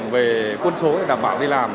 về quân số đảm bảo đi làm